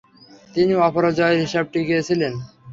তিনি অপরাজেয় হিসেবে টিকে ছিলেন।